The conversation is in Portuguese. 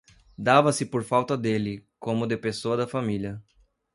dava-se por falta dele, como de pessoa da família.